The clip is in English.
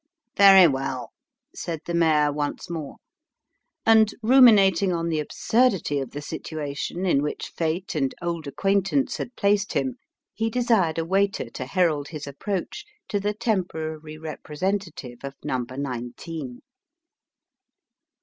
" Very well," said the mayor once more ; and, ruminating on the absurdity of the situation in which fate and old acquaintance had placed him, he desired a waiter to herald his approach to the temporary representative of number nineteen.